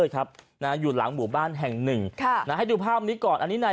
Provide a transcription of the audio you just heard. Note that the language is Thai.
ครับนะอยู่หลังหมู่บ้านแห่งหนึ่งค่ะนะให้ดูภาพนี้ก่อนอันนี้ใน